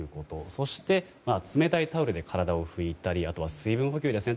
そして、冷たいタオルで体を拭いたりあとは水分補給ですね。